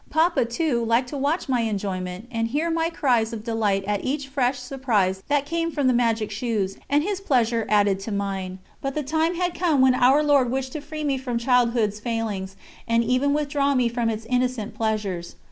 Papa, too, liked to watch my enjoyment and hear my cries of delight at each fresh surprise that came from the magic shoes, and his pleasure added to mine. But the time had come when Our Lord wished to free me from childhood's failings, and even withdraw me from its innocent pleasures.